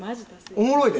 おもろいで！